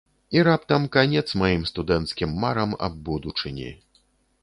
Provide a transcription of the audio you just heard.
І раптам канец маім студэнцкім марам аб будучыні.